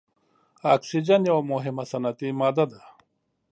اکسیجن یوه مهمه صنعتي ماده ده.